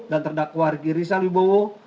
dan terdakwa rigi rizal wibowo